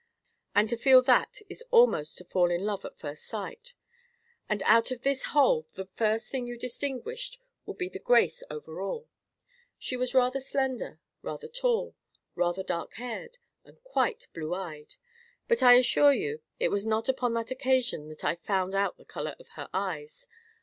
And to feel that is almost to fall in love at first sight. And out of this whole, the first thing you distinguished would be the grace over all. She was rather slender, rather tall, rather dark haired, and quite blue eyed. But I assure you it was not upon that occasion that I found out the colour of her eyes.